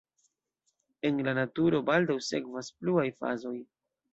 En la naturo baldaŭ sekvas pluaj fazoj.